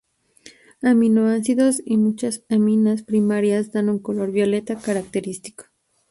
Aminoácidos y muchas aminas primarias dan un color violeta característico.